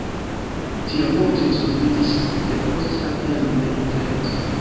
Tio multe disvolviĝis depost alveno de interreto.